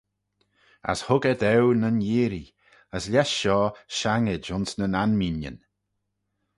As hug eh daue nyn yeearree: as lesh shoh shangid ayns nyn anmeenyn.